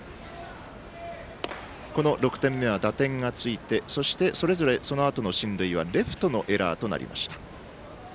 この６点目は打点がついて、それぞれ進塁がレフトのエラーとなりました。